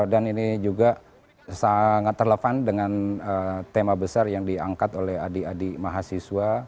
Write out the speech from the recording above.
dan ini juga sangat terlevan dengan tema besar yang diangkat oleh adik adik mahasiswa